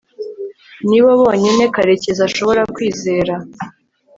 nibo bonyine karekezi ashobora kwizera